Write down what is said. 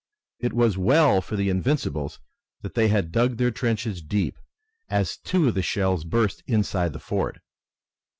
It was well for the Invincibles that they had dug their trenches deep, as two of the shells burst inside the fort.